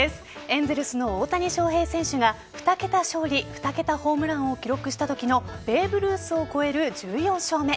エンゼルスの大谷翔平選手が２桁勝利、２桁ホームランを記録したときのベーブ・ルースを超える１４勝目。